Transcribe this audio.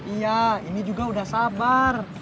iya ini juga udah sabar